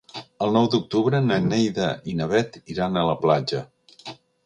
El nou d'octubre na Neida i na Bet iran a la platja.